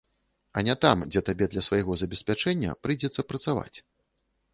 А не там, дзе табе для свайго забеспячэння прыйдзецца працаваць.